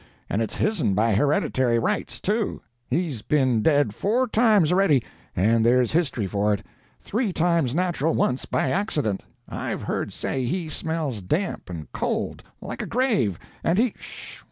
And it's his'n by hereditary rights, too; he's been dead four times a'ready, and there's history for it. Three times natural, once by accident. I've heard say he smells damp and cold, like a grave. And he " "'Sh!